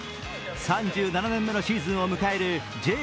３７年目のシーズンを迎えるＪＦＬ